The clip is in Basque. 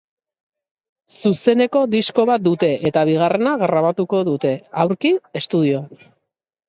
Zuzeneko disko bat dute eta bigarrena grabatuko dute, aurki, estudioan.